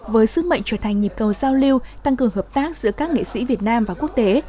với sứ mệnh trở thành nhịp cầu giao lưu tăng cường hợp tác giữa các nghệ sĩ việt nam và quốc tế